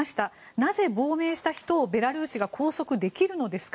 なぜ亡命した人をベラルーシが拘束できるのですか。